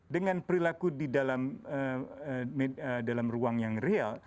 dengan perilaku di dalam ruang yang real